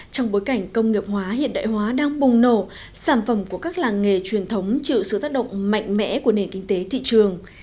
trong bối cảnh công nghiệp hóa hiện đại hóa đang bùng nổ sản phẩm của các làng nghề truyền thống chịu sự tác động mạnh mẽ của nền kinh tế thị trường